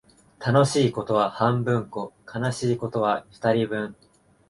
楽しいことは半分こ、悲しいことは二人分